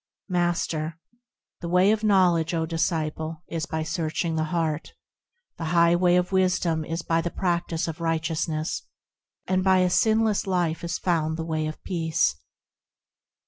Master. The way of knowledge, O disciple, is by searching the heart; The highway of wisdom is by the practice of righteousness ; And by a sinless life is found the way of peace.